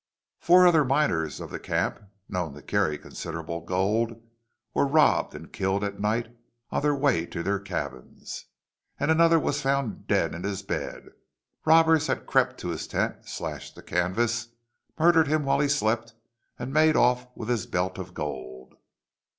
Four other miners of the camp, known to carry considerable gold, were robbed and killed at night on their way to their cabins. And another was found dead in his bed. Robbers had crept to his tent, slashed the canvas, murdered him while he slept, and made off with his belt of gold.